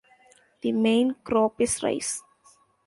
The main crop is rice.